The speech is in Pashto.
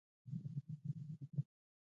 مونږ خپل مسؤليت ادا کړ.